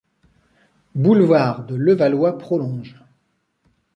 Boulevard de Levallois Prolonge.